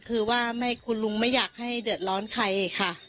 คือว่าคุณลุงไม่อยากให้เดือดร้อนใครค่ะ